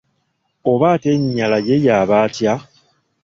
Oba atenyinyala ye yaba atya!